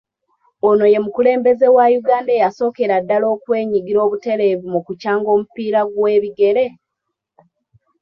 Ono ye mukulembeze wa Uganda eyasookera ddala okwenyigira obutereevu mu kukyanga omupiira gw’ebigere?